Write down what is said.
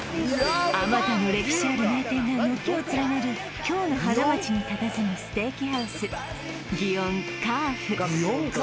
あまたの歴史ある名店が軒を連ねる京の花街にたたずむステーキハウス祇園Ｃａｌｆ